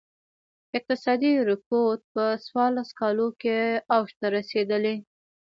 اقتصادي رکود په څوارلس کالو کې اوج ته رسېدلی.